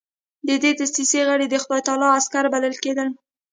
د دې دسیسې غړي د خدای تعالی عسکر بلل کېدل.